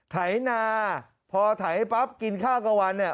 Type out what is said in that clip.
ถ่ายนาพอถ่ายปั๊บกินข้าวกับวันเนี่ย